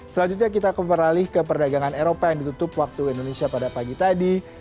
selanjutnya kita kembali ke perdagangan eropa yang ditutup waktu indonesia pada pagi tadi